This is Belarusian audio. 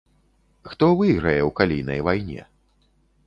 Хто выйграе ў калійнай вайне?